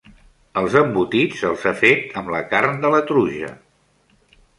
Els embotits els ha fet amb la carn de la truja.